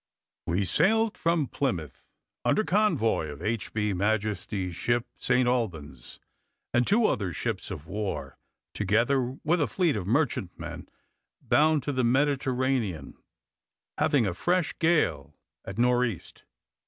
We sailed from Plymouth under convoy of H. B. Majesty's ship St. Alban's, and two other ships of war, together with a fleet of merchantmen bound to the Mediterranean, having a fresh gale at north east.